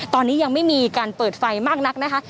ตอนนี้ยังไม่มีการเปิดไฟมากนักนะคะ